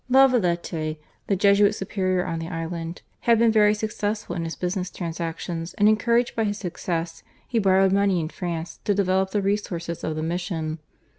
La Valette, the Jesuit superior on the island, had been very successful in his business transactions, and encouraged by his success, he borrowed money in France to develop the resources of the mission.